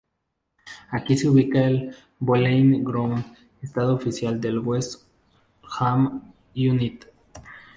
Aquí se ubica el Boleyn Ground, estadio oficial del West Ham United.